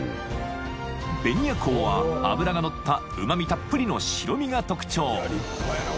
［ベニアコウは脂が乗ったうま味たっぷりの白身が特徴］